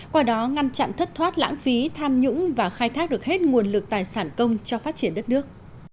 qua đó ngăn chặn thất thoát lãng phí tham nhũng và khai thác được hết nguồn lực tài sản công cho phát triển đất nước